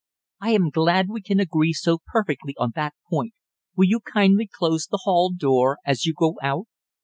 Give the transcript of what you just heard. "I am glad we can agree so perfectly on that point. Will you kindly close the hail door as you go out?"